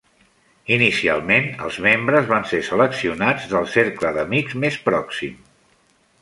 Inicialment, els membres van ser seleccionats del cercle d'amics més pròxim.